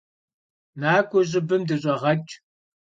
Nak'ue ş'ıbım dış'eğeç'!